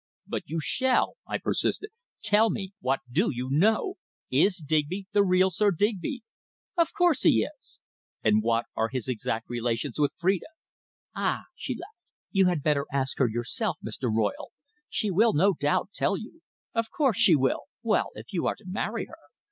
"But you shall!" I persisted. "Tell me what do you know? Is Digby the real Sir Digby?" "Of course he is!" "And what are his exact relations with Phrida?" "Ah!" she laughed. "You had better ask her yourself, Mr. Royle. She will, no doubt, tell you. Of course, she will well, if you are to marry her.